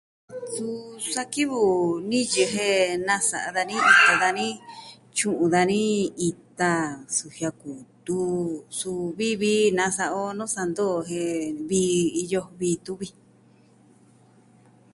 Suu sa kivɨ niyɨ jen nasa'a dani ito dani, tyu'un dani ita, sujia kutu, suu vii vii nasa'a o nuu santu jen vii iyo, vii tuvi.